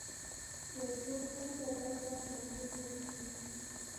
یو تور پوستی باید کار ته مجبور کړل شي.